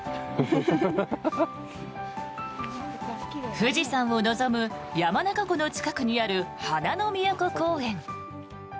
富士山を望む山中湖の近くにある花の都公園。